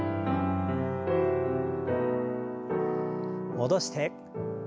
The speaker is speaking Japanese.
戻して。